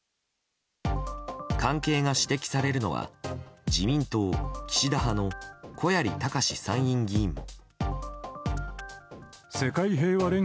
関係が指摘されるのは自民党岸田派の小鑓隆史参院議員も。